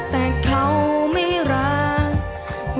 แต่เขาไม่รัก